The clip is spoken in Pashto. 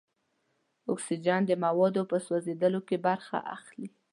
اکسیجن د موادو په سوځیدلو کې برخه اخلي.